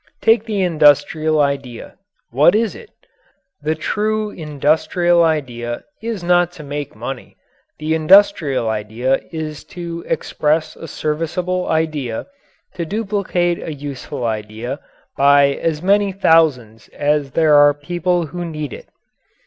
Take the industrial idea; what is it? The true industrial idea is not to make money. The industrial idea is to express a serviceable idea, to duplicate a useful idea, by as many thousands as there are people who need it.